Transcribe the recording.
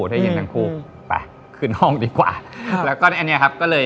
ไปขึ้นห้องดีกว่า